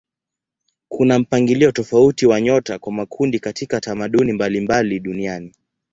Kuna mpangilio tofauti wa nyota kwa makundi katika tamaduni mbalimbali duniani.